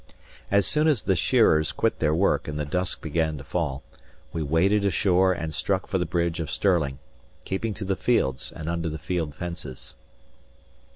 As soon as the shearers quit their work and the dusk began to fall, we waded ashore and struck for the Bridge of Stirling, keeping to the fields and under the field fences.